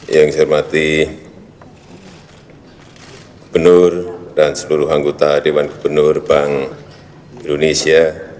yang saya hormati gubernur dan seluruh anggota dewan gubernur bank indonesia